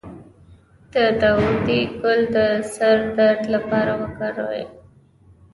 د داودي ګل د سر درد لپاره وکاروئ